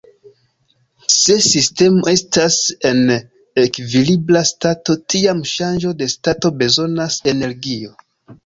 Se sistemo estas en ekvilibra stato tiam ŝanĝo de stato bezonas energio.